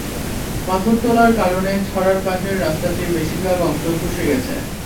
পাথর তোলার কারণে ছড়ার পাশের রাস্তাটির বেশির ভাগ অংশ ধসে গেছে।